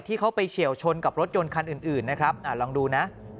ที่เขาไปเฉียวชนกับรถยนต์คันอื่นนะครับลองดูนะ